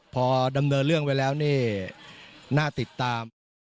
พอดำเนินเรื่องไปแล้วนี่น่าติดตาม